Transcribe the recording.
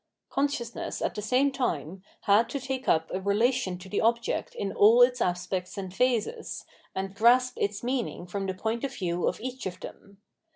Consciousness, at the same time, had to take up a relation to the object in all its aspects and phases, and grasp its meaning from the point of view of each of them.